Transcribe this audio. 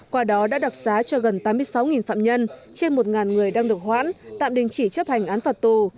qua đó đã đặc xá cho gần tám mươi sáu phạm nhân trên một người đang được hoãn tạm đình chỉ chấp hành án phạt tù